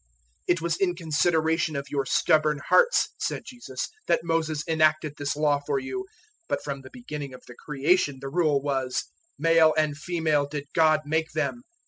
010:005 "It was in consideration of your stubborn hearts," said Jesus, "that Moses enacted this law for you; 010:006 but from the beginning of the creation the rule was, 'Male and female did God make them.